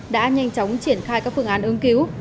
đã nhanh chóng triển khai các phương án ứng cứu